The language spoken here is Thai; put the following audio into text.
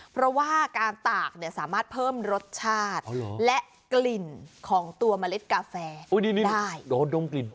เพราะว่าการตากเนี่ยสามารถเพิ่มรสชาติและกลิ่นของตัวเมล็ดกาแฟได้โดนดมกลิ่น